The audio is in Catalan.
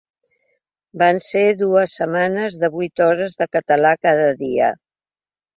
Van ser dues setmanes de vuit hores de català cada dia.